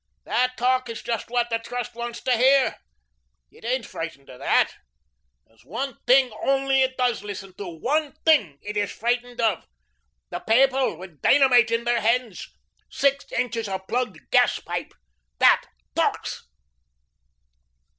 That talk is just what the Trust wants to hear. It ain't frightened of that. There's one thing only it does listen to, one thing it is frightened of the people with dynamite in their hands, six inches of plugged gaspipe. THAT talks."